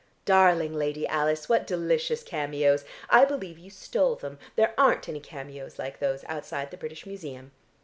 Darling Lady Alice, what delicious cameos! I believe you stole them; there aren't any cameos like those outside the British Museum.